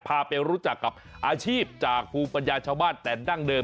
พาไปรู้จักกับอาชีพจากภูมิปัญญาชาวบ้านแต่ดั้งเดิม